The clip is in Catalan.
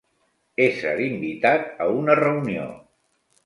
Ésser invitat a una reunió.